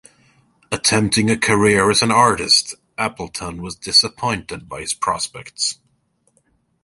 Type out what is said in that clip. Attempting a career as an artist, Appleton was disappointed by his prospects.